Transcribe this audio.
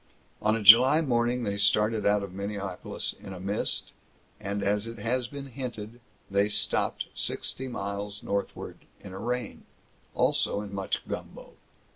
On a July morning, they started out of Minneapolis in a mist, and as it has been hinted, they stopped sixty miles northward, in a rain, also in much gumbo.